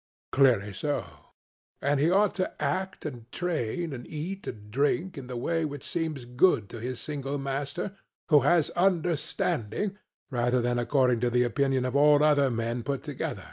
CRITO: Clearly so. SOCRATES: And he ought to act and train, and eat and drink in the way which seems good to his single master who has understanding, rather than according to the opinion of all other men put together?